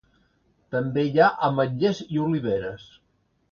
També hi ha ametllers i oliveres.